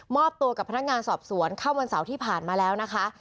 อบตัวกับพนักงานสอบสวนเข้าวันเสาร์ที่ผ่านมาแล้วนะคะ